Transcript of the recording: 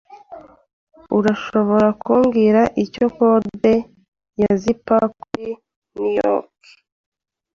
Urashobora kumbwira icyo kode ya zip kuri New York?